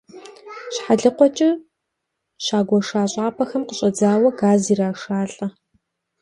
Щхьэлыкъуэкӏэ щагуэша щӏапӏэхэм къыщӏадзауэ газ ирашалӏэ.